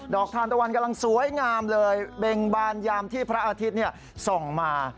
ทานตะวันกำลังสวยงามเลยเบ่งบานยามที่พระอาทิตย์ส่องมา